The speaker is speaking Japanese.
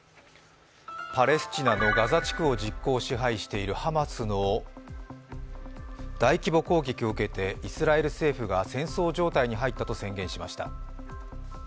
パレスチナのガザ地区を実行支配しているハマスの大規模攻撃を受けて、イスラエル政府が戦争状態に入ったと宣言しました。